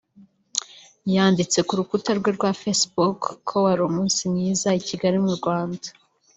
yanditse ku rukuta rwe rwa Facebook ko ‘wari umunsi mwiza i Kigali mu Rwanda